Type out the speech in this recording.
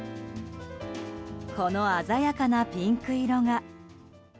この鮮やかなピンク色が。